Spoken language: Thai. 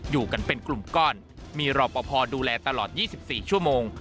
อยู่กันเป็นกลุ่มก้อนมีรอปภดูแลตลอด๒๔ชั่วโมง